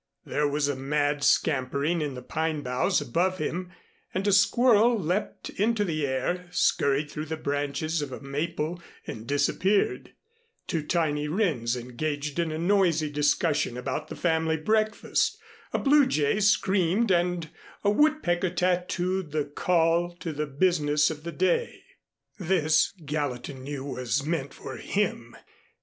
There was a mad scampering in the pine boughs above him, and a squirrel leapt into the air, scurried through the branches of a maple and disappeared; two tiny wrens engaged in a noisy discussion about the family breakfast, a blue jay screamed and a woodpecker tattoed the call to the business of the day. This, Gallatin knew, was meant for him.